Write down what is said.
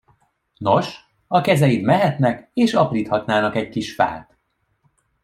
Nos, a kezeid mehetnek és apríthatnának egy kis fát.